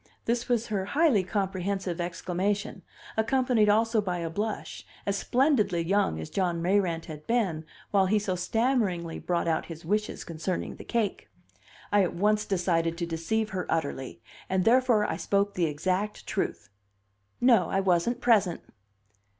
This was her highly comprehensive exclamation, accompanied also by a blush as splendidly young as John Mayrant had been while he so stammeringly brought out his wishes concerning the cake. I at once decided to deceive her utterly, and therefore I spoke the exact truth: "No, I wasn't present."